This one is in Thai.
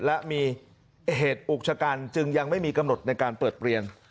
และมีเหตุอุกชะกันจึงยังไม่มีกำหนดในการเปิดเรียน